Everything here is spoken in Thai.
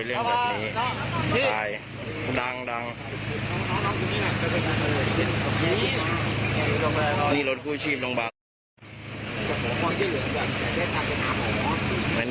วันนี้คุณรู้จะทำอะไร